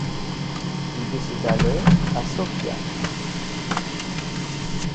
Il décéda le à Sofia.